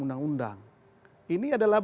undang undang ini adalah